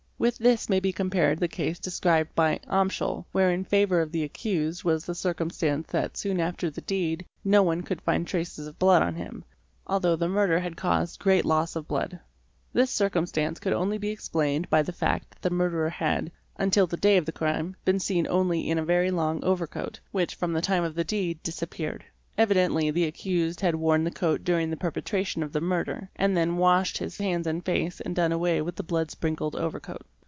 With this may be compared the case described by Amschi® where in favour of the accused —| was the circumstance that soon after the deed, no one could find traces of | blood on him, although the murder had caused great loss of blood. This circumstance could only be explained by the fact that the murderer had, SEARCH FOR BLOOD 561 until the day of the crime, been seen only in a very long overcoat, which from the time of the deed disappeared. Evidently the accused had worn the coat during the perpetration of the murder, and had then washed his hands and face and done away with the blood sprinkled overcoat.